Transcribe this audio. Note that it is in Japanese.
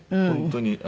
本当に。